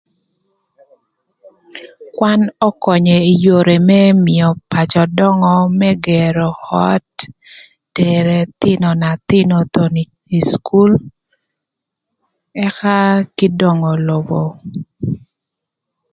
Kwan ökönyö ï yore më mïö pacö döngö më gërö öt, tero ëthïnö na thïnö thon ï cukul, ëka kï döngö lobo.